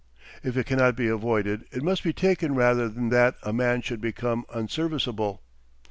If it cannot be avoided it must be taken rather than that a man should become unserviceable.